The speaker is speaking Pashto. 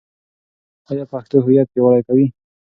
ایا پښتو هویت پیاوړی کوي؟